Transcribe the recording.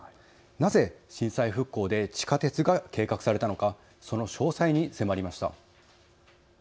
なぜ震災復興で地下鉄が計画されたのか、その詳細に迫りました。